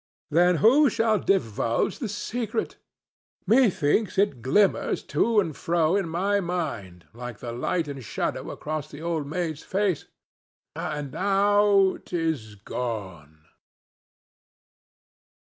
"Then who shall divulge the secret? Methinks it glimmers to and fro in my mind like the light and shadow across the Old Maid's face. And now 'tis gone!"